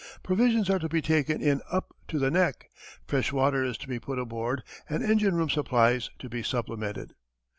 Provisions are to be taken in "up to the neck," fresh water is to be put aboard, and engine room supplies to be supplemented.